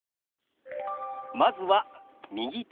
まずは「右手」。